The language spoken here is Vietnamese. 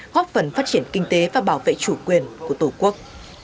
góp phần phát triển kinh tế và bảo vệ chủ quyền của tổ quốc